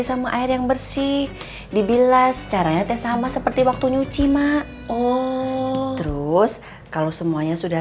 sama air yang bersih dibilas caranya sama seperti waktu nyuci mak oh terus kalau semuanya sudah